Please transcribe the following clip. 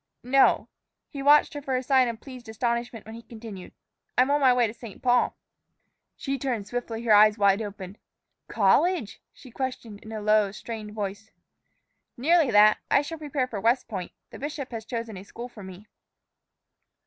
"No." He watched her for a sign of pleased astonishment when he continued, "I'm on my way to St. Paul." She turned swiftly, her eyes open wide. "College?" she questioned in a low, strained voice. "Nearly that; I shall prepare for West Point. The bishop has chosen a school for me."